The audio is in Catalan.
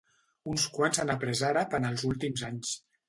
Uns quants han aprés l'àrab en els últims anys.